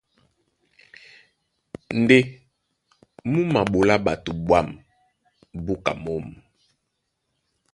Ndé mú maɓolá ɓato ɓwǎm̀ búka mǒm.